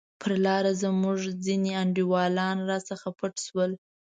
پر لار زموږ ځیني انډیوالان راڅخه پټ شول.